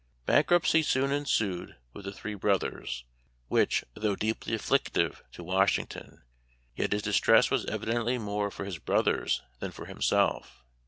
Bankruptcy soon ensued with the three brothers, which, though deeply afflictive to Washington, yet his distress was evidently more for his brothers than for himself.